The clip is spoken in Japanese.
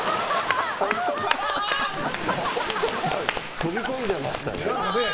飛び込んでいましたね。